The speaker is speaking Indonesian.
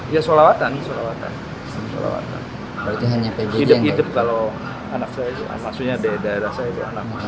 ya sholawatan sholawatan hidup hidup kalau anak saya maksudnya di daerah saya itu anak